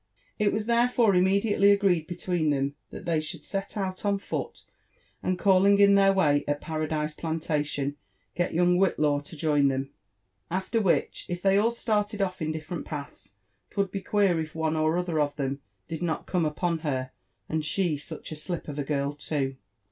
It was therefore immediately agreed between them, that they should set out on foot, and calling in their way at Paradise Plantation, get young Whitlaw to join them; after which, if they all started off in different paths, 'twould be queer if one or other of them did not come up with her, and she such a slip of a girl too.